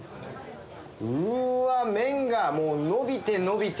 うーわ、麺がもう伸びて伸びて。